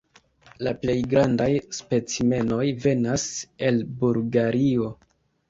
La plej grandaj specimenoj venas el Bulgario.